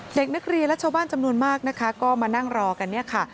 เด็กนักเรียนและชาวบ้านจำนวนมากนะคะก็มานั่งรอกันเนี่ยค่ะ